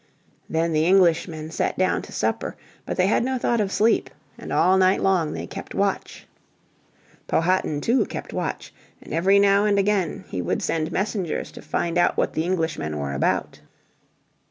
Then the Englishmen sat down to supper; but they had no thought of sleep and all night long they kept watch. Powhatan too kept watch, and every now and again he would send messengers to find out what the Englishmen were about.